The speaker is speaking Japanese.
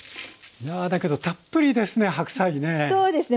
いやだけどたっぷりですね